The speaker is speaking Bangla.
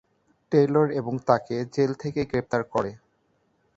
টেইলর এবং তাকে জেল থেকে গ্রেফতার করে।